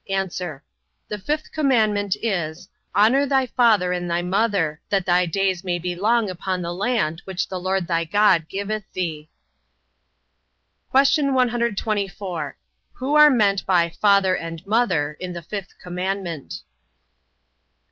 A. The fifth commandment is, Honour thy father and thy mother: that thy days may be long upon the land which the Lord thy God giveth thee. Q. 124. Who are meant by father and mother in the fifth commandment?